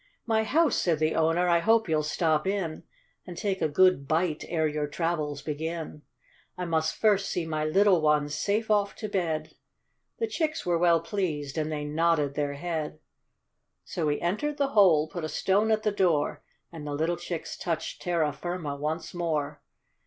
"My house," said the owner: "I hope you'll stop in, And take a good bite ere your travels begin. I must first see my little ones safe off to bed." The chicks were well pleased, and they nodded their head ; So he entered the hole, put a stone at the door, And the little chicks touched terra firma once more.